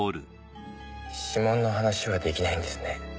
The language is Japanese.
指紋の話は出来ないんですね。